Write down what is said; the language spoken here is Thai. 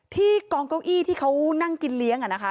ที่กองเก้าอี้ที่เขานั่งกินเลี้ยงนะคะ